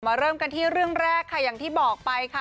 เริ่มกันที่เรื่องแรกค่ะอย่างที่บอกไปค่ะ